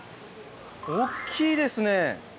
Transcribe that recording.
大っきいですね。